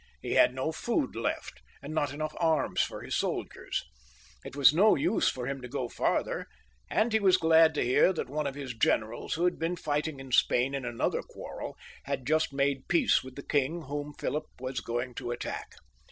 He had no food left, and not enough arms for his soldiers. It was of no use for him to go farther, and he was glad to hear that one of his generals, who had been fighting in Spain in another quarrel, had just made peace with the king whom Philip was going to attack.